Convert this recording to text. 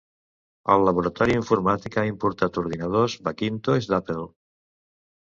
El laboratori informàtic ha importat ordinadors Macintosh d'Apple.